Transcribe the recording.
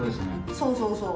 そうそうそう。